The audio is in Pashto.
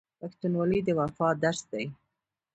پښتونولي د وفا درس دی.